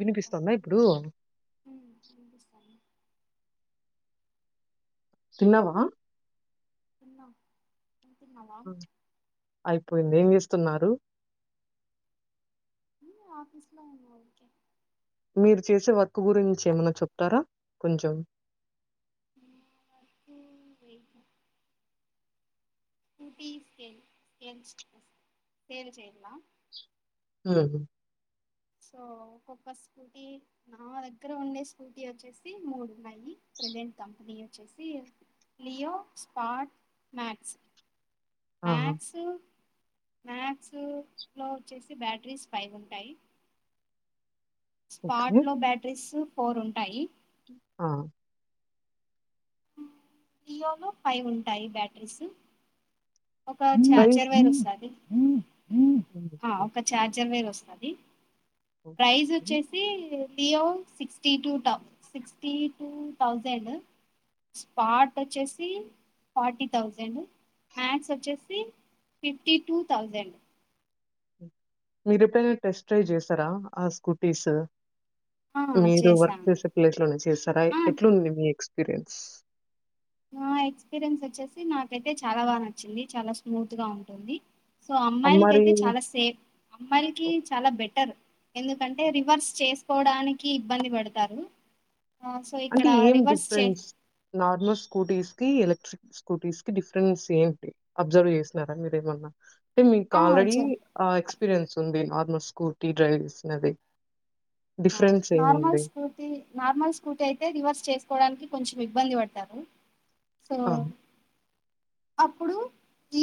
వినిపిస్తుందా ఇప్పుడు తిన్నావా ఉన్నాం అ అయిపోయింది ఏం చేస్తున్నారు ఏం లే ఆఫీస్ లో ఉన్న ఊరికే మీరు చేసే వర్క్ గురించి ఏమైనా చెప్తారా కొంచెం మకువేదు చేయ హ సో ఒొక్క స్కూటీ నా దగ్గర ఉండే స్కూటీ వచ్చేసి మూడు ఉన్నాయి ప్రెజెంట్ కంపిణీ వచ్చేసి లియో స్పాట్ మ్యాక్స్ ఆా మ్యాక్స్ మ్యాక్స్ లో వచ్చేసి బ్యాటరీస్ ఫైవ్ ఉంటాయి స్పాట్ ఓకే లో బ్యాటరీస్ ఫోర్ ఉంటాయి ఆ వియో లో ఫైవ్ ఉంటాయి బ్యాటరీస్ ఒక చార్ ప్రైస్ చెరవైర్ వస్తుంది ఉమ్, ఒక చఛార్జర్ వేరు వస్తుంది ప్రైజ్ ఓకే వచ్చేసి [unintelligible] స్పాట్ వచ్చేసి ఫార్టీ థౌజండ్ మ్యాథ్స్ వచ్చేసి ఫిఫ్టీ టూ థౌజండ్ మీరు ఎప్పుడైనా టెస్ట్ ట్రైవ్ చేస్తారా ఆ స్కూటీస్ ఆ మీరు వర్క్ చేశాను చేసే ప్లేస్లోనే చేస్తారా ఆ ఎట్లుంది మీ ఎక్స్పీరియన్స్ నా ఎక్స్పీరియన్స్ వచ్చేసి నాకైతే చాలా బాగా నచ్చింది చాలా స్మూత్గా ఉంటుంది సో అమ్మాయిలకి మరి అయితే చాలా సేఫ్ అమ్మాయిలకి చాలా బెటర్ ఎందుకంటే రివర్స్ చేసుకోవడానికి ఇబ్బంది పడతారు ఆ సో ఇక్కడ అంటే ఏం రివర్స్ చే డిఫరెన్స్ నార్మస్ స్కూటీస్ కి ఎలక్ట్రిక్ స్కూటీస్ కి డిఫరెన్స్ ఏంటి అబ్జర్వ్ చేసినారా మీరేమన్నా అంటే మీకు ఆ ఆల్రెడీ చే ఎక్స్పీరియన్స్ ఉంది నార్మల్ స్కూర్టీ డ్రైవ్ చేసినది డిఫరెన్స్ నార్మల్ ఏముంది? స్కూటీ నార్మల్ స్కూ అయితే రివర్స్ చేసుకోవడానికి కొంచెం ఇబ్బంది పడతారు సో ఆ! అప్పుడు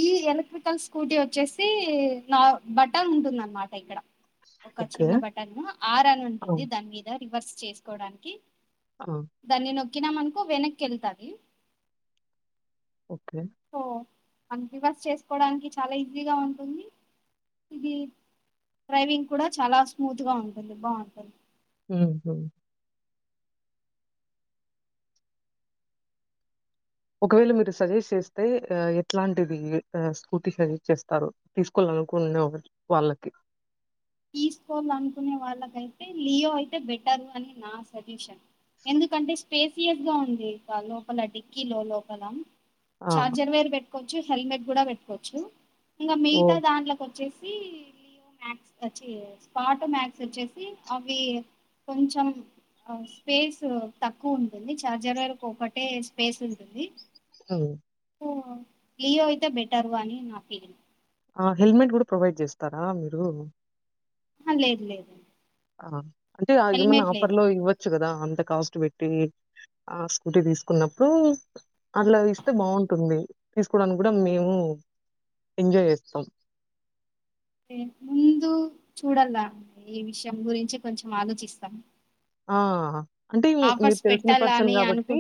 ఈ ఎలక్ట్రికల్ స్కూటీ వచ్చేసి నా బట్ట ఉంటుంద అన్నమాట ఇక్కడ ఒక ఓకే. చిన్న బటన్ ఆర్ అని ఆ! ఉంటుంది దాని మీద రివర్స్ చేసుకోడానికి ఆ! దాన్ని నొక్కినా మనకు వెనక్కి వెళ్తంది ఓకే రివర్స్ చేసుకోవడానికి చాలా ఈజీగా ఉంటుంది ఇది డ్రైవింగ్ కూడా చాలా స్మూత్ గా ఉంటుంది బాగుంటుంది హ ఒకవేళ మీరు సజెస్ట్ చేస్తే ఎట్లాంటిది స్కూతి సజెస్ చేస్తారు తీసుక ండ వాళ్ళకి [unintelligible] తీసుకోవాలనుకునే వాళ్ళకైతే లియో అయితే బెటరు అని నా సజెషన్ ఎందుకంటే స్పేసియస్ గా ఉంది ఇక లోపల డిక్కీ లో లోపల ఆ! చార్జర్ వేరు పెట్టుకోవచ్చు హెల్మెట్ కూడా పెట్టుకోవచ్చు ఇంకా మిగతా ఓహ్! దాంట్లో కొ వచ్చేసి లియో మ్యాక్స్ వచ్చి స్పాట్ మ్యాక్స్ వచ్చేసి అవి కొంచెం స్పేస్ తక్కువ ఉంటుంది చఛార్జర్ వరకు ఒకటే స్పేస్ ఉంటుంది అవు లీయో అయితే బెటర్వా అని నా ఫీలింగ్ ఆ హెల్మెట్ కూడా ప్రొవైడ్ చేస్తారా మీరు లేదు లేదు ఆ అంటే ఏమన్నా హెల్మెట్ లేదు ఆఫర్ లో ఇవ్వచ్చు కదా అంత కాస్ట్ పెట్టి ఆ స్కూటీ తీసుకున్నప్పుడు అట్లా ఇస్తే బాగుంటుంది తీసుకోవడానికి కూడా మేము ఎంజాయ్ చేస్తాం ే ముందు చూడాల ఈ విషయం గురించి కొంచెం ఆలోచిస్తాం ఆ అంటే మీరు ఆఫర్స్ తెలిసిన పెట్టాలా పర్సన్ అని అనుకు కాబట్టి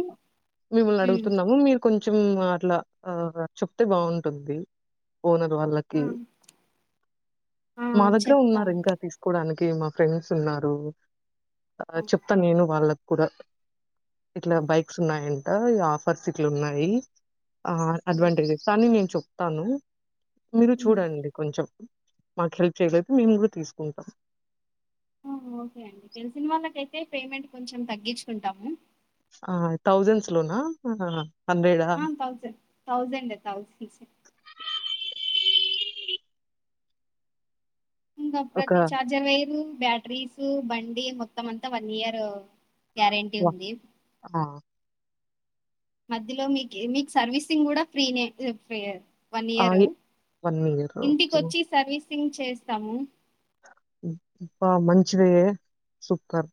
మిమ్మల్ని హ్మ్ అడుగుతున్నాము మీరు కొంచెం ఇట్లా ఆ చప్తే బాగుంటుంది ఓనర్ వాళ్ళకి ఆ మా దగ్గర ఉన్నారు చెప్తాను ఇంకా తీసుకోవడానికి మా ఫ్రెండ్స్ ఉన్నారు ఆ! చెప్తాను నేను వాళ్ళ కూడా ఇట్లా బైక్స్ ఉన్నాయట ఆఫర్స్ ఇట్లా ఉన్నాయి ఆ హ్మ్ అడ్వాంటేజెస్ కానీ నేను చెప్తాను మీరు హ్మ్. చూడండి కొంచెం మాకు హెల్ప్ చేయలేతే మేము కూడతీసుకుంటాం ఓకే అండి తెలిసిన వాళ్ళకైతే పేమెంట్ కొంచెం తగ్గించుకుంటాము ఆ థౌజండ్స్ లోనా హండ్రెడా తౌసండ్ తథౌసండే [unintelligible] ఇకా ఒక ప్రతి చార్జర్ వైరు బ్యాటరీస్ బండి మొత్తం అంతా వన్ ఇయర్ గ్యారెంటీ వ ఉంది ఆ మధ్యలో మీకు మీకు సర్వీసింగ్ కూడ ఫ్రీనే ఫ్రీ వన్ ఆ ఇయరు ఎ వన్ ఇయర్ ఇంటిక ఓకే వచ్చి సర్వీసింగ్ చేస్తాము [unintelligible] మంచిది సూపర్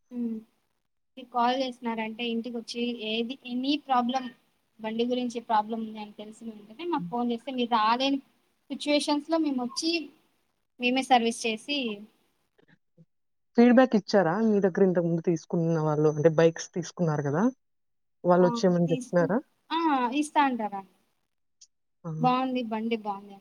మీరు కాల్ చేస్తున్నారంటే ఇంటిక వచ్చి ఏది ఎనీ ప్రాబ్లం బండి గురించి ఏ ప్రాబ్లం ఉంది అని తెలిసిన ఉంటనే మాకు ఫోన్ చేస్తే మీ రాలేని సిచ్యుయేషన్స్లో మేము వచ్చి మేమే సర్వీస్ చేసి ఫీడ్బ్యాక్ ఇచ్చారా మీ దగ్గర ఇంతకు ముందు తీసుకున్న వాళ్ళు అంటే బైక్స్ తీసుకున్నారు కదా వాళ్ళు ఆ వచ్చేమని తీసుకు చెప్తున్నారా ఆ ఇస్తా అంటారా ఆహా బాగుంది బండి బాగుంది